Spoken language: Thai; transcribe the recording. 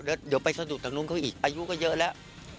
เดี๋ยวไปสะดุดตรงนู้นเขาอีกอายุก็เยอะแล้ว